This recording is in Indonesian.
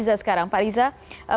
bagaimanapun yang disampaikan pak wadid